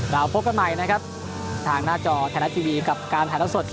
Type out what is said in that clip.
เราพบกันใหม่นะครับทางหน้าจอแถวหน้าที่ดีกว่าการถ่อสด